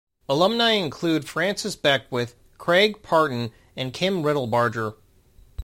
Alumni include Francis Beckwith, Craig Parton and Kim Riddlebarger.